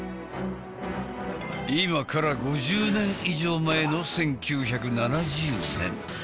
今から５０年以上前の１９７０年。